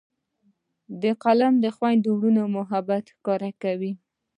فلم د خویندو ورونو محبت ښکاره کوي